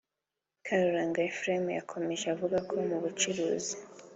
Karuranga Ephraim yakomeje avuga ko mu bucuruzi